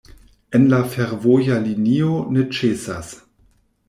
En la fervoja linio ne ĉesas.